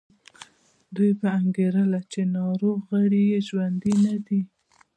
دوی به انګېرله چې ناروغ غړي یې ژوندي نه دي.